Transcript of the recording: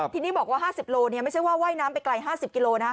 ที่นี่บอกว่า๕๐กิโลไม่ใช่ว่าไหว้น้ำไปไกล๕๐กิโลนะ